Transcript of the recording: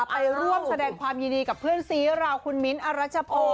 ไปร่วมแสดงความยินดีกับเพื่อนซีเราคุณมิ้นทรัชพงศ์